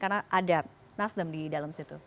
karena ada nasdem di dalam situ